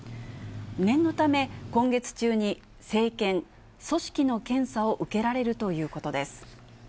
念のため、今月中に生検・組織の検査を受けられるということです。